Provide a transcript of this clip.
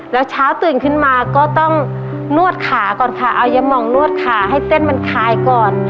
แล้วเช้าตื่นขึ้นมาก็ต้องนวดขาก่อนค่ะเอายามองนวดขาให้เส้นมันคายก่อน